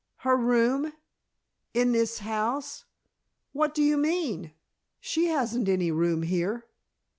"Her room? In this house? What do you mean? She hasn't any room here!"